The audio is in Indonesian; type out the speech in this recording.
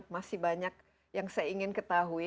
masih banyak yang saya ingin ketahui